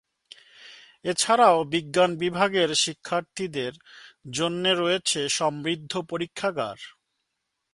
এছাড়াও বিজ্ঞান বিভাগের শিক্ষার্থীদের জন্যে রয়েছে সমৃদ্ধ পরীক্ষাগার।